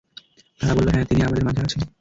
তারা বলল, হ্যাঁ, তিনি আমাদের মাঝে আছেন।